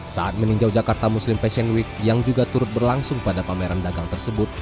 saat meninjau jakarta muslim fashion week yang juga turut berlangsung pada pameran dagang tersebut